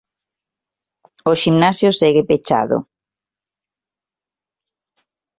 O ximnasio segue pechado.